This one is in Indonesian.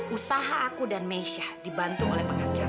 usaha aku dan meisha dibantu oleh pengacara